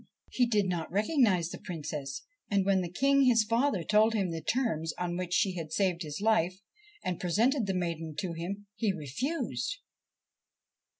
He did not recognise the Princess, and when the King, his father, told him the terms on which she had saved his life, and presented the maiden to him, he refused.